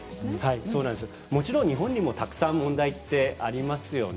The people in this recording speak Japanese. もちろん日本にもたくさん問題がありますよね。